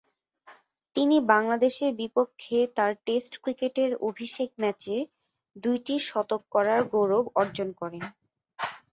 তিনি বাংলাদেশের বিপক্ষে তার টেস্ট ক্রিকেটের অভিষেক ম্যাচে দুইটি শতক করার গৌরব অর্জন করেন।